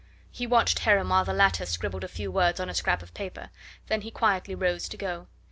He watched Heron while the latter scribbled a few words on a scrap of paper, then he quietly rose to go.